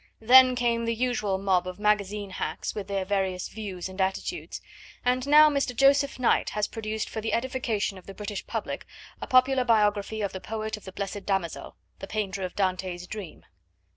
Then came the usual mob of magazine hacks with their various views and attitudes, and now Mr. Joseph Knight has produced for the edification of the British public a popular biography of the poet of the Blessed Damozel, the painter of Dante's Dream.